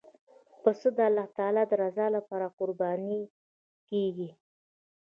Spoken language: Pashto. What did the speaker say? پسه د الله تعالی رضا لپاره قرباني کېږي.